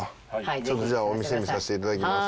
ちょっとじゃあお店見させていただきます。